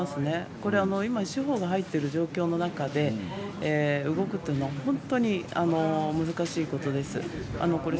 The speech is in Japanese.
これは今、司法が入っている状況の中で動くというのは本当に難しいことです。